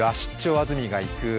安住がいく」。